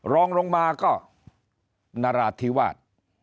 รองลงมาก็นราธิวาส